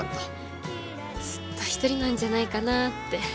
ずっとひとりなんじゃないかなって。